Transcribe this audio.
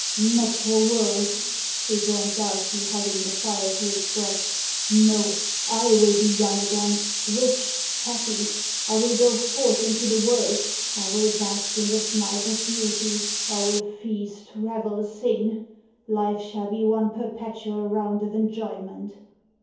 "Not for worlds," rejoined Darcy, hugging the phial to his breast. "No; I will be young again rich happy. I will go forth into the world I will bask in the smiles of beauty I will feast, revel, sing life shall be one perpetual round of enjoyment.